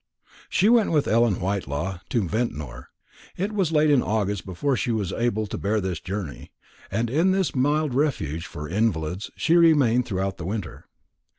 She went with Ellen Whitelaw to Ventnor. It was late in August before she was able to bear this journey; and in this mild refuge for invalids she remained throughout the winter.